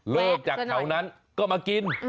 จากแถวนั้นก็มากิน